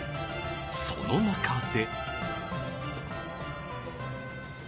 その中で。